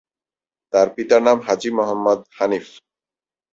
তার পিতার নাম হাজী মুহাম্মদ হানিফ।